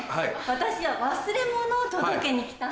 私は忘れ物を届けに来たんです。